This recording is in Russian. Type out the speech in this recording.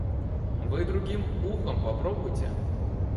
Вы другим ухом попробуйте.